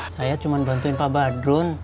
saya cuma bantuin pak badrun